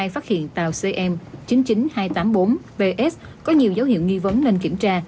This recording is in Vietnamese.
phát hiện tàu cm chín mươi chín nghìn hai trăm tám mươi bốn vs có nhiều dấu hiệu nghi vấn nên kiểm tra